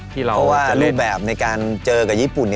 เพราะว่ารูปแบบในการเจอกับญี่ปุ่น